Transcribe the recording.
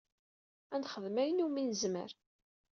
Ad nexdem ayen iwumi nezmer.